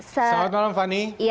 selamat malam fani